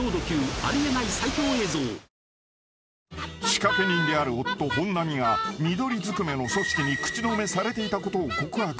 ［仕掛け人である夫本並が緑ずくめの組織に口止めされていたことを告白。